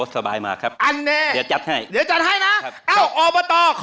สบายมากครับ